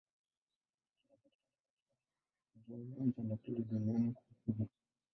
Kinapatikana katika ziwa Nyanza, la pili duniani kwa ukubwa.